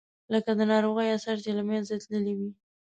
لکه د ناروغۍ آثار چې له منځه تللي وي.